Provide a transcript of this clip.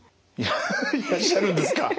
いらっしゃるんですか。